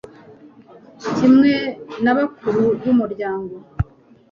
kimwe n'abakuru b'umuryango